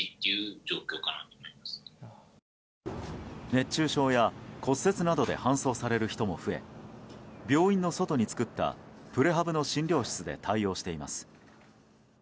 熱中症や骨折などで搬送される人も増え病院の外に作った、プレハブの診療室で対応しています。